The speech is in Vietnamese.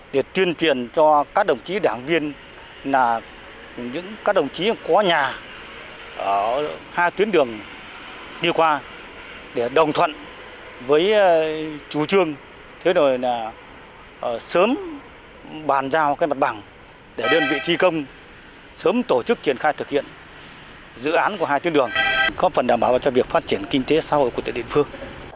để đơn vị thi công sớm tổ chức triển khai thực hiện dự án của hai tuyến đường có phần đảm bảo cho việc phát triển kinh tế xã hội quốc tế địa phương